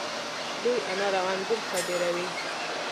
دوی انار او انګور صادروي.